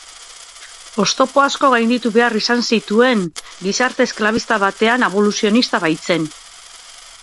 Oztopo asko gainditu behar izan zituen, gizarte esklabista batean abolizionista baitzen.